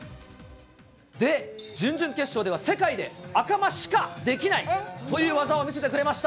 で、準々決勝では、世界で赤間しかできないという技を見せてくれました。